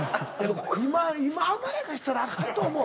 今甘やかしたらあかんと思う。